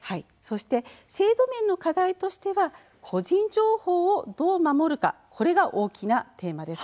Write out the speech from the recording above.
制度面の課題としては個人情報をどう守るかこれが大きなテーマです。